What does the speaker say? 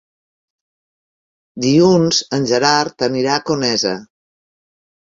Dilluns en Gerard anirà a Conesa.